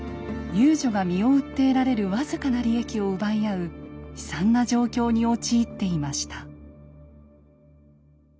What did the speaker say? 遊女が身を売って得られる僅かな利益を奪い合う悲惨な状況に陥っていました。